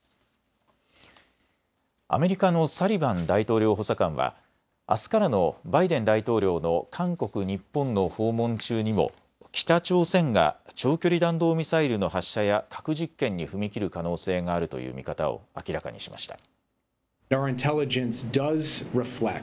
アメリカのサリバン大統領補佐官はあすからのバイデン大統領の韓国、日本の訪問中にも北朝鮮が長距離弾道ミサイルの発射や核実験に踏み切る可能性があるという見方を明らかにしました。